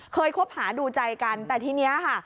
คบหาดูใจกันแต่ทีนี้ค่ะ